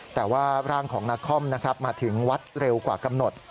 แต่ว่าร่างของนครมาถึงวัดเร็วกว่ากำหนด